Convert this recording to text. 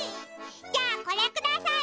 じゃあこれください。